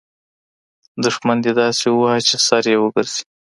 دښمن دې داسې ووهه چي سر یې وګرځي.